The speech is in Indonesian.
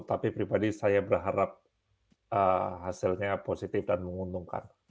tapi pribadi saya berharap hasilnya positif dan menguntungkan